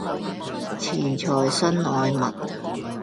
錢財身外物